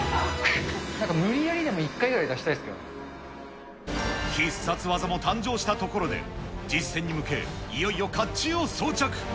なんか無理やりでも、一回、必殺技も誕生したところで、実戦に向け、いよいよかっちゅうを装着。